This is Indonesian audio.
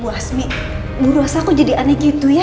bu asmi bu rosa kok jadi aneh gitu ya